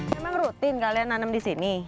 memang rutin kalian nanam di sini